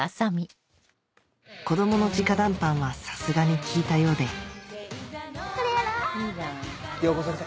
子供の直談判はさすがに効いたようで洋子先生。